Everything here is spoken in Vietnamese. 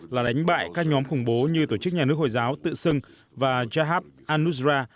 là đánh bại các nhóm khủng bố như tổ chức nhà nước hồi giáo tự xưng và jahab an nusra